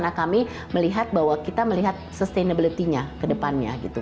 lalu kami melihat bahwa kita melihat sustainabiltinya ke depannya gitu